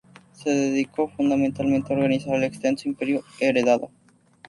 Se dedicó fundamentalmente a organizar el extenso imperio heredado.